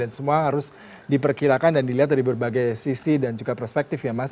dan semua harus diperkirakan dan dilihat dari berbagai sisi dan juga perspektif ya mas